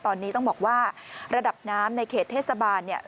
ตอนนี้ต้องบอกว่าระดับน้ำในเขตเทศบาลเนี่ย